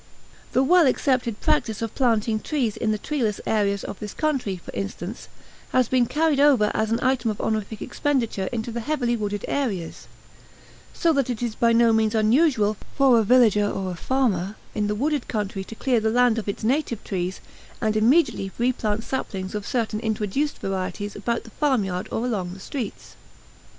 The well accepted practice of planting trees in the treeless areas of this country, for instance, has been carried over as an item of honorific expenditure into the heavily wooded areas; so that it is by no means unusual for a village or a farmer in the wooded country to clear the land of its native trees and immediately replant saplings of certain introduced varieties about the farmyard or along the streets.